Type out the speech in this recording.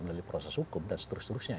melalui proses hukum dan seterusnya